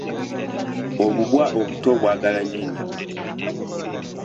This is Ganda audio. Obubwa obuto bwagala nnyo ennyama.